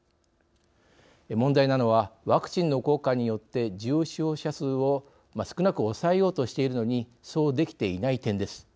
問題なのはワクチンの効果によって重症者数を少なく抑えようとしているのにそうできていない点です。